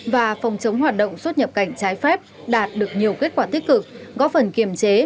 và phòng chống hoạt động xuất nhập cảnh trái phép đạt được nhiều kết quả tích cực góp phần kiềm chế